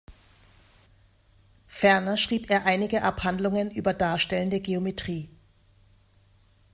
Ferner schrieb er einige Abhandlungen über darstellende Geometrie.